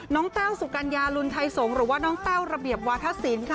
แต้วสุกัญญาลุนไทยสงฆ์หรือว่าน้องแต้วระเบียบวาธศิลป์ค่ะ